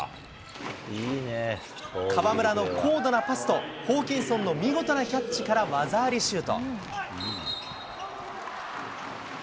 河村の高度なパスと、ホーキンソンの見事なキャッチから技ありシュート。